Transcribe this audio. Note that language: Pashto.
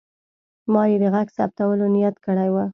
ما یې د غږ ثبتولو نیت کړی و.